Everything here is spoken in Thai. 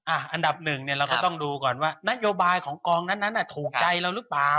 อะอันดับหนึ่งเราต้องดูก่อนว่านโจบายของกองนั้นนัดอ่ะถูกใจหรือเปล่า